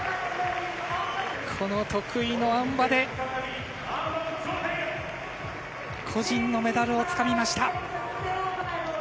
この得意のあん馬で、個人のメダルをつかみました。